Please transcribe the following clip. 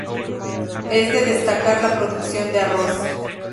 Es de destacar la producción de arroz.